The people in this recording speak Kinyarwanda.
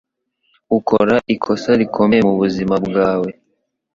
Ukora ikosa rikomeye mubuzima bwawe.